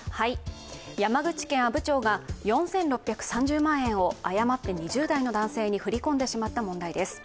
山口県阿武町が４６３０万円を誤って２０代の男性に振り込んでしまった問題です。